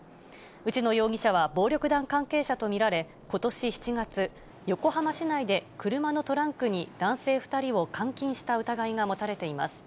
内野容疑者は暴力団関係者と見られ、ことし７月、横浜市内で車のトランクに男性２人を監禁した疑いが持たれています。